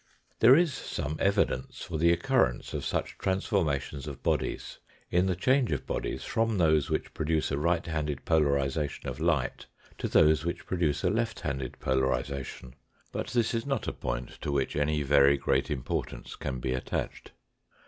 There is some evidence for the occurrence of such trans formations of bodies in the change of bodies from those which produce a right>handed polarisation of light to those which produce a left handed polarisation; but this is not a point to which any very great importance can be attached.